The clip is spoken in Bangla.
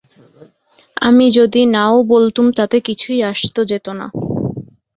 আমি যদি নাও বলতুম তাতে কিছুই আসত যেত না।